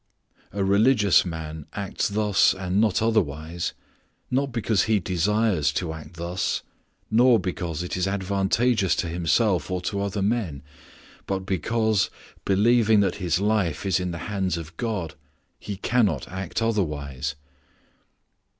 A religious man acts thus and not otherwise, not because he desires to act thus, nor because it is advantageous to himself or to other men, but because, believing that his life is in the hands of God, he cannot act otherwise.